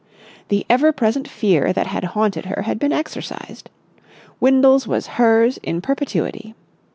The ever present fear that had haunted her had been exorcised. Windles was hers in perpetuity.